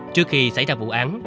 trước khi xảy ra vụ án